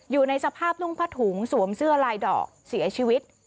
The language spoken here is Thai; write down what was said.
อยู่ในสภาพนุ่งผ้าถุงสวมเสื้อลายดอกเสียชีวิต